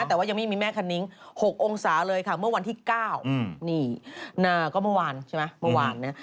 แต่ว่ายังไม่มีแม่คันนิ้ง๖องศาเลยค่ะเมื่อวันที่๙นี่ก็เมื่อวานใช่ไหมเมื่อวานเนี่ย